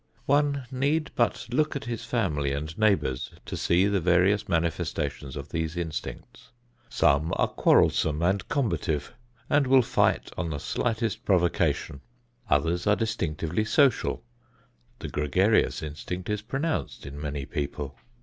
One need but look at his family and neighbors to see the various manifestations of these instincts. Some are quarrelsome and combative and will fight on the slightest provocation. Others are distinctively social; the gregarious instinct is pronounced in many people.